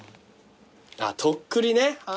ああとっくりね。